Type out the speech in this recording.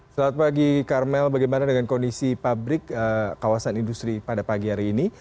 selamat pagi karmel bagaimana dengan kondisi pabrik kawasan industri pada pagi hari ini